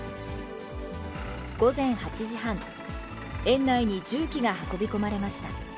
午前８時半、園内に重機が運び込まれました。